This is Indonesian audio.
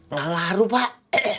ngalah haru pak